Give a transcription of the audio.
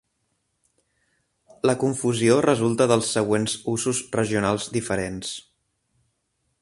La confusió resulta dels següents usos regionals diferents.